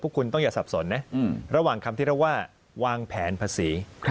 คุณต้องอย่าสับสนนะระหว่างคำที่เราว่าวางแผนภาษี